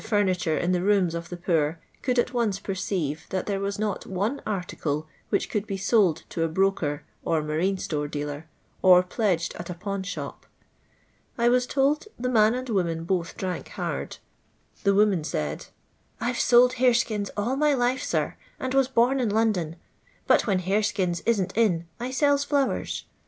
furniture in the rooms of the poor could at once perceive that there was not one article which could be suld to a broker or marine store dealer, or pledged at a pawn shop. I was told the man and woman both drank hard. The woman said :—" I \e sold horeskins all my life, sir, and was bom in London ; but when hareskins isn't in, I sells flowers.